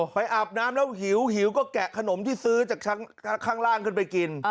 อาบน้ำแล้วหิวก็แกะขนมที่ซื้อจากข้างล่างขึ้นไปกิน